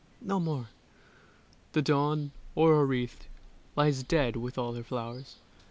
no more! The Dawn, aurora wreathed, Lies dead with all her flow'rs!